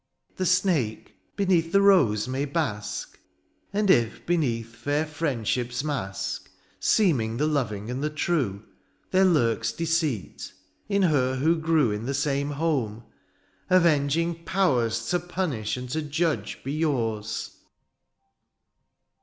^^The snake beneath the rose may bask ;^^ And if, beneath fair friendship's mask, ^^ Seeming the loving and the true, " There lurks deceitr— in her who grew 40 DIONYSIUS, ^' In the same home — avenging powers, " To pmiish, and to judge, be yours.